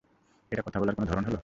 এটা কথা বলার কোনো ধরণ হলো?